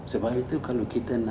sebab itu kalau kita